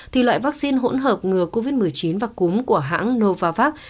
thì loại vaccine hỗn hợp ngừa covid một mươi chín và cúm của hãng novavax